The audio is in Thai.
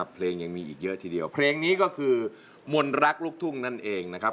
เพลงยังมีอีกเยอะทีเดียวเพลงนี้ก็คือมนต์รักลูกทุ่งนั่นเองนะครับ